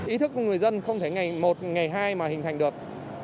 ý thức của người dân không thể ngày một ngày hai mà hình thành được